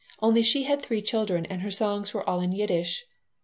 Only she had three children and her songs were all in Yiddish.